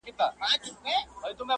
• یار اخیستی همېشه د ښکلو ناز دی,